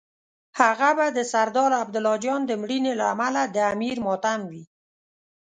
هغه به د سردار عبدالله جان د مړینې له امله د امیر ماتم وي.